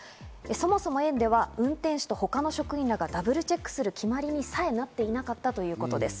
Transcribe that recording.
そもそも園では運転手と他の職員がダブルチェックする決まりにさえなっていなかったということです。